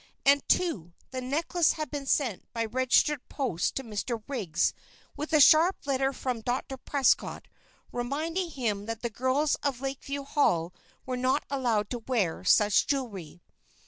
And, too, the necklace had been sent by registered post to Mr. Riggs with a sharp letter from Dr. Prescott reminding him that the girls of Lakeview Hall were not allowed to wear such jewelry.